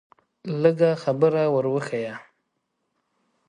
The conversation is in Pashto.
لږه خبره ور وښیه.